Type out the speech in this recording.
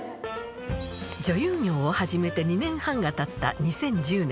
女優業を始めて２年半がたった２０１０年。